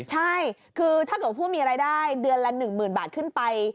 ใช่คือถ้าเกิดผู้มีรายได้เดือนละ๑๐๐๐บาทขึ้นไป